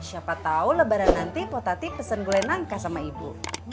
siapa tahu lebaran nanti potati pesen gulai nangka sama ibu